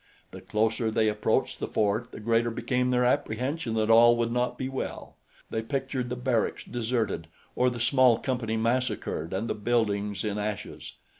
The closer they approached the fort the greater became their apprehension that all would not be well. They pictured the barracks deserted or the small company massacred and the buildings in ashes.